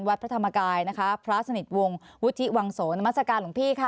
พระธรรมกายนะคะพระสนิทวงศ์วุฒิวังโสนามัศกาลหลวงพี่ค่ะ